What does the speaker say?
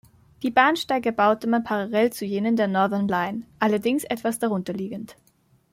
Die Bahnsteige baute man parallel zu jenen der Northern Line, allerdings etwas darunter liegend.